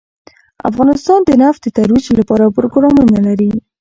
افغانستان د نفت د ترویج لپاره پروګرامونه لري.